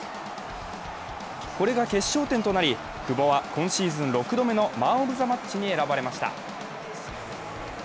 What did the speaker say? これが決勝点となり、久保は今シーズン６度目のマン・オブ・ザ・マッチに選ばれました。